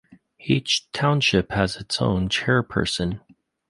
Each township has its own chairperson.